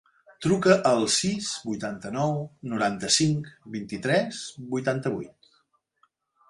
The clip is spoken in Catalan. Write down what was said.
Truca al sis, vuitanta-nou, noranta-cinc, vint-i-tres, vuitanta-vuit.